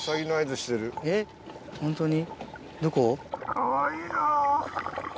かわいいな。